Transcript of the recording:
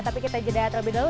tapi kita jeda terlebih dahulu